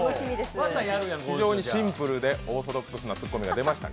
非常にシンプルでオーソドックスなツッコミが出ました。